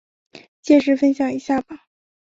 届时分享一下吧